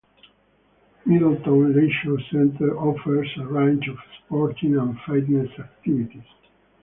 Middleton Leisure Centre offers a range of sporting and fitness activities.